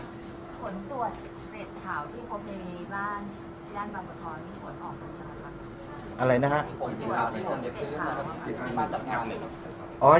ผลตรวจเสร็จข่าวที่พบในบ้านย่านบรรพท้อนี่ผลออกจากภาคอะไรนะฮะ